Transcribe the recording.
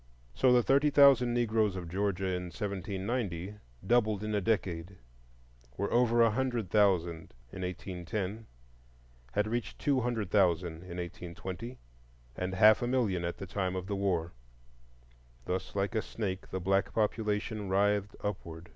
So the thirty thousand Negroes of Georgia in 1790 doubled in a decade,—were over a hundred thousand in 1810, had reached two hundred thousand in 1820, and half a million at the time of the war. Thus like a snake the black population writhed upward.